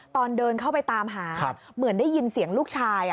ตอนเดินเข้าไปตามหาเหมือนได้ยินเสียงลูกชาย